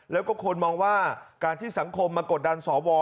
แล้วก็คนมองว่าการที่สังคมมากดดันสว